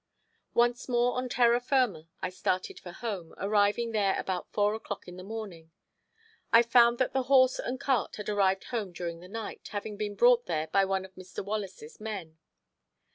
Once more on terra firma I started for home, arriving there about four o'clock in the morning. I found that the horse and cart had arrived home during the night, having been brought there by one of Mr. Wallace's men.